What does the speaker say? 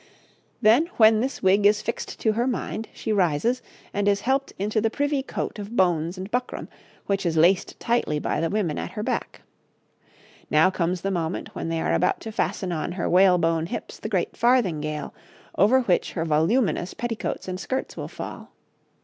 Then, when this wig is fixed to her mind, she rises, and is helped into the privie coat of bones and buckram, which is laced tightly by the women at her back. Now comes the moment when they are about to fasten on her whalebone hips the great farthingale over which her voluminous petticoats and skirts will fall.